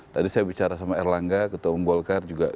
tadi saya bicara sama erlangga ketua umum golkar juga